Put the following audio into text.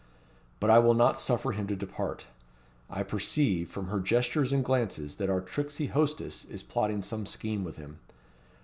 But I will not suffer him to depart. I perceive, from her gestures and glances, that our tricksy hostess is plotting some scheme with him.